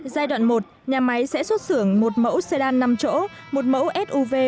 giai đoạn một nhà máy sẽ xuất xưởng một mẫu xe lan năm chỗ một mẫu suv